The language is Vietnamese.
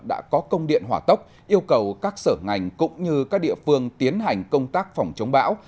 đã có công điện hỏa tốc yêu cầu các sở ngành cũng như các địa phương tiến hành công tác phòng chống bão